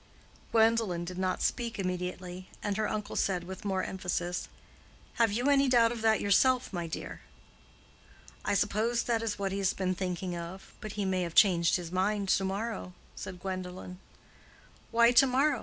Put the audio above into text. Gwendolen did not speak immediately, and her uncle said with more emphasis, "Have you any doubt of that yourself, my dear?" "I suppose that is what he has been thinking of. But he may have changed his mind to morrow," said Gwendolen. "Why to morrow?